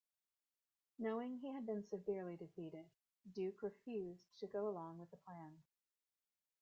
Knowing he had been severely defeated, Duque refused to go along with the plan.